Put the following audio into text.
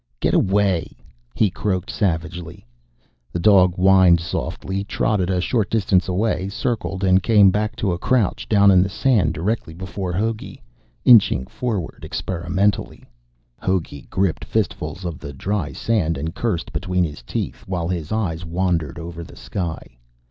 "Get away!" he croaked savagely. The dog whined softly, trotted a short distance away, circled, and came back to crouch down in the sand directly before Hogey, inching forward experimentally. Hogey gripped fistfuls of the dry sand and cursed between his teeth, while his eyes wandered over the sky.